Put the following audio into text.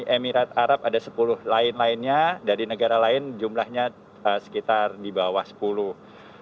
emirat arab ada sepuluh lain lainnya dari negara lain jumlahnya sekitar di bawah sepuluh